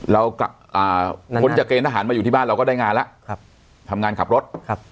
แล้วกับคนจัดเกณฑ์อาหารมาอยู่ที่บ้านเราก็ได้งานล่ะทำงานขับรถ